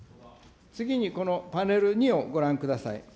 次にこのパネル２をご覧ください。